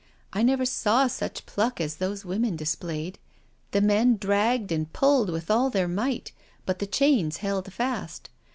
I never saw such pluck as those women dis played. The men dragged and pulled with all their might, but the chains held fast.